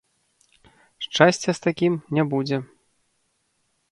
Шчасця з такім не будзе.